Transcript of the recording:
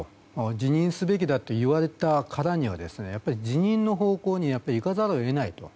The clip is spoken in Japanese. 辞任すべきだと言われたからにはやっぱり辞任の方向にいかざるを得ないと。